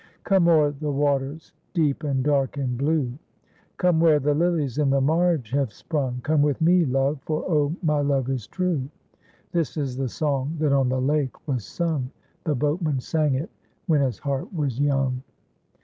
Come o'er the waters deep and dark and blue; Come where the lilies in the marge have sprung, Come with me, love, for Oh, my love is true!' This is the song that on the lake was sung, The boatman sang it when his heart was young."